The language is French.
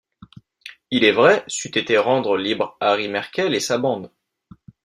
Il est vrai, c’eût été rendre libres Harry Markel et sa bande...